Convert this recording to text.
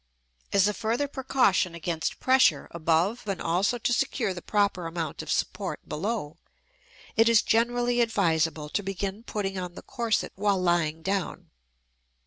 As a further precaution against pressure above and also to secure the proper amount of support below, it is generally advisable to begin putting on the corset while lying down.